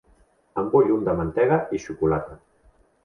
En vull un de mantega i xocolata.